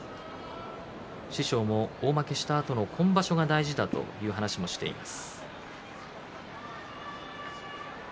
師匠も大負けしたあとの今場所が大事だという話をしています。